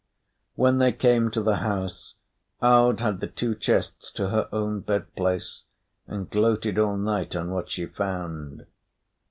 When they came to the house, Aud had the two chests to her own bed place, and gloated all night on what she found.